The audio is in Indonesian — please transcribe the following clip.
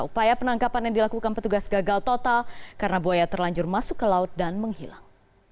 upaya penangkapan yang dilakukan petugas gagal total karena buaya terlanjur masuk ke laut dan menghilang